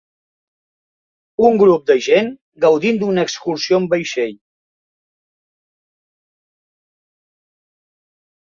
Un grup de gent gaudint d'una excursió en vaixell.